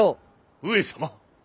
上様。